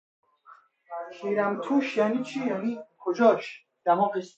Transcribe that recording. فرد نابینا با دستش موها و صورتش را لمس میکند